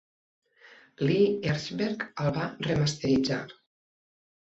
Lee Herschberg el va remasteritzar.